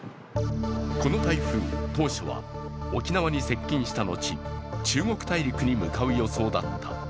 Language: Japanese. この台風、当初は沖縄に接近した後中国大陸に向かう予想だった。